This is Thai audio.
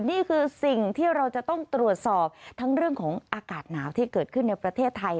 นี่คือสิ่งที่เราจะต้องตรวจสอบทั้งเรื่องของอากาศหนาวที่เกิดขึ้นในประเทศไทย